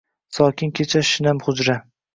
Sokin kecha, shinam hujra